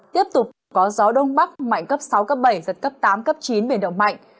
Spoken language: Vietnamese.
tiếp tục có gió đông bắc mạnh cấp sáu cấp bảy giật cấp tám cấp chín biển động mạnh